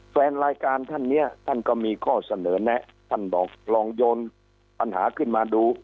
แฟนรายการท่านเนี่ยท่านก็มีข้อเสนอแนะท่านบอกลองโยนปัญหาขึ้นมาดู